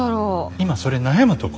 今それ悩むとこ？